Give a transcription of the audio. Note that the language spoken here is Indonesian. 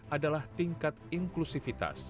adalah tingkat inklusivitas